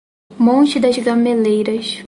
Monte das Gameleiras